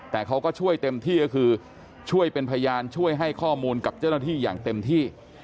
แต่เขาก็ช่วยเต็มที่ก็คือช่วยเป็นพยานช่วยให้ข้อมูลกับเจ้าหน้าที่อย่างเต็มที่